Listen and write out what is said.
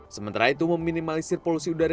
sementara itu meminimalisir polusi udara